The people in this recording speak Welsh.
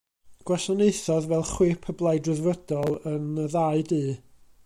Gwasanaethodd fel Chwip y Blaid Ryddfrydol yn y ddau dŷ.